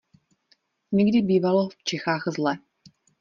Někdy bývalo v Čechách zle.